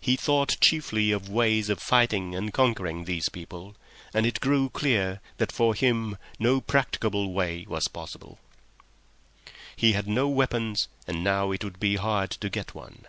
He thought chiefly of ways of fighting and conquering these people, and it grew clear that for him no practicable way was possible. He had no weapons, and now it would be hard to get one.